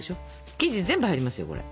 生地全部入りますよこれ。